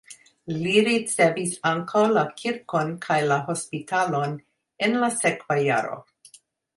Li ricevis ankaŭ la kirkon kaj la hospitalon en la sekva jaro.